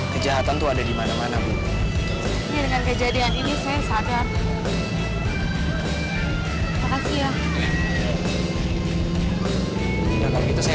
kejahatan tuh ada di mana mana ibu